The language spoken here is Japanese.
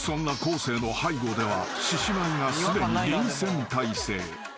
生の背後では獅子舞がすでに臨戦態勢］